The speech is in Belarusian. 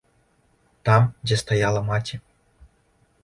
Там, дзе стаяла маці.